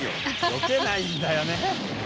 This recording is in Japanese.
よけないんだよね。